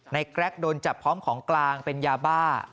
แกรกโดนจับพร้อมของกลางเป็นยาบ้า